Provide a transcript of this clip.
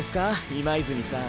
今泉さん。